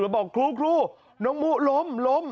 แล้วบอกครูน้องมุล้ม